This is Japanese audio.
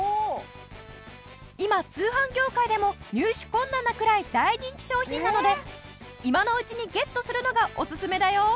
今通販業界でも入手困難なくらい大人気商品なので今のうちにゲットするのがおすすめだよ！